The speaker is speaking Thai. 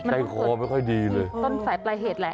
ใจคอไม่ค่อยดีเลยต้นสายปลายเหตุแหละ